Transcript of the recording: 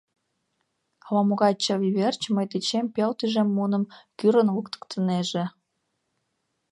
Ала-могай чыве верч мый дечем пел тӱжем муным кӱрын луктыктынеже.